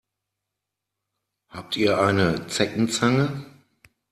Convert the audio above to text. Habt ihr eine Zeckenzange?